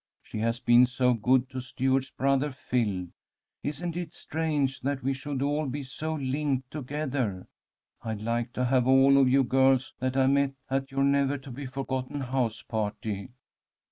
She has been so good to Stuart's brother Phil. Isn't it strange that we should all be so linked together? I'd like to have all of you girls that I met at your never to be forgotten house party.